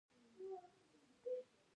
هغوی یوځای د روښانه شعله له لارې سفر پیل کړ.